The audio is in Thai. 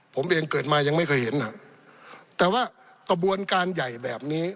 ผมเองเกิดมายังไม่เคยเห็นอ่ะแต่ว่ากระบวนการใหญ่แบบนี้